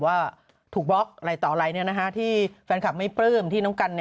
ว่าใครไปเตะฟุตบอล